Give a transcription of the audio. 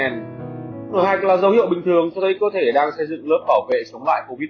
nổ hạch là dấu hiệu bình thường cho thấy cơ thể đang xây dựng lớp bảo vệ sống lại covid một mươi chín